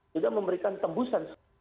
sudah memberikan tembusan